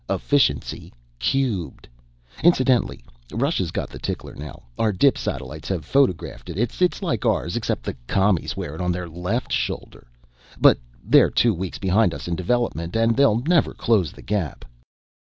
Efficiency cubed! Incidentally, Russia's got the tickler now. Our dip satellites have photographed it. It's like ours except the Commies wear it on the left shoulder ... but they're two weeks behind us developmentwise and they'll never close the gap!"